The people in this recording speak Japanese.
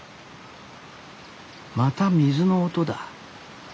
また水の音だ。